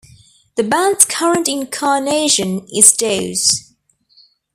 The band's current incarnation is Dawes.